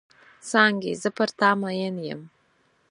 څانګې زه پر تا مئن یم.